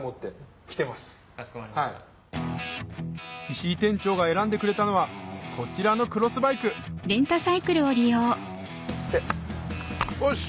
石井店長が選んでくれたのはこちらのクロスバイクおし！